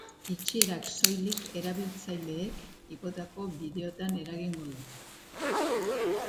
Itxierak soilik erabiltzaileek igotako bideoetan eragingo du.